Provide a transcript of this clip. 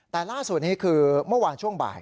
แต่ล่าสุดนี้คือเมื่อวานช่วงบ่าย